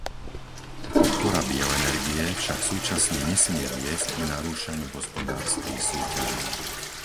Podpora bioenergie však súčasne nesmie viesť k narúšaniu hospodárskej súťaže.